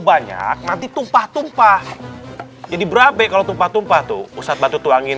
banyak nanti tumpah tumpah jadi berabe kalau tumpah tumpah tuh ustadz batu tuangin